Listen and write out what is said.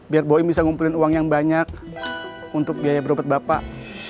biar boeing bisa ngumpulin uang yang banyak untuk biaya berobat bapak